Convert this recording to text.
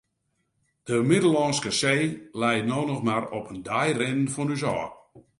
De Middellânske See lei no noch mar op in dei rinnen fan ús ôf.